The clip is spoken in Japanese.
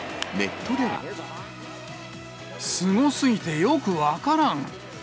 すごすぎてよく分からん。